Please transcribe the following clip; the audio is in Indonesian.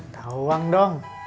tahu uang dong